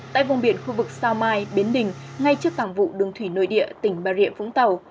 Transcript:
tại vùng biển khu vực sao mai biến đình ngay trước tảng vụ đường thủy nội địa tỉnh bà rịa vũng tàu